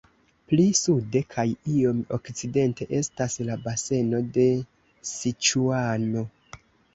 Pli sude kaj iom okcidente estas la baseno de Siĉuano.